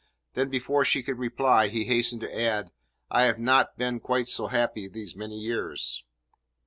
Then before she could reply he hastened to add: "I have not been quite so happy these many years."